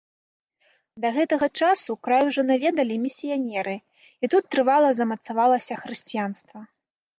Да гэтага часу край ужо наведалі місіянеры і тут трывала замацавалася хрысціянства.